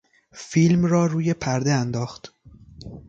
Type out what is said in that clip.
فیلم را روی پرده انداخت.